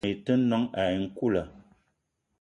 Mbeng i te noong ayi nkoula.